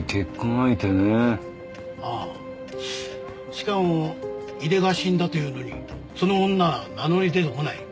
しかも井出が死んだというのにその女は名乗り出てこない。